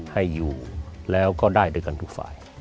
ให้อยู่แล้วก็ได้ด้วยกันทุกฝ่าย